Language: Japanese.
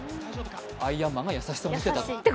アイアンマンが優しさを見せたと。